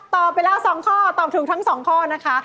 ตอบไปแล้ว๒ข้อตอบถูกทั้ง๒ข้อนะคะ